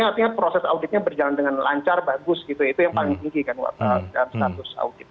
artinya proses auditnya berjalan dengan lancar bagus gitu ya itu yang paling tinggi kan dalam status audit